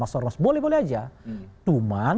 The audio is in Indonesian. masyarakat boleh boleh aja cuman